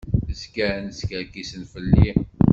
Zgan skerkisen fell-i.